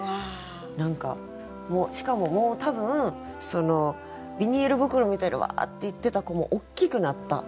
何かしかももう多分そのビニール袋みたいにわっていってた子もおっきくなった。